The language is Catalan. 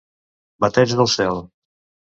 Bateig del cel.